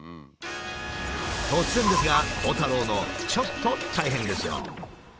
突然ですが鋼太郎のちょっと大変ですよ。